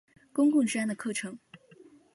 公共治安的课程。